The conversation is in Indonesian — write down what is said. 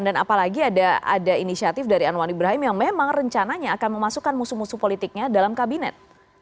dan apalagi ada inisiatif dari anwar ibrahim yang memang rencananya akan memasukkan musuh musuh politiknya dalam kabinet